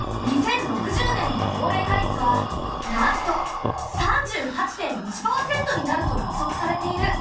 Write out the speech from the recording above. ２０６０年の高齢化率はなんと３８．１％になると予測されている。